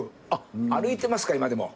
歩いてますか今でも。